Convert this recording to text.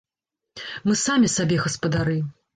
Мы самі сабе гаспадары!